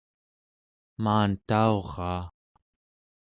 maantauraa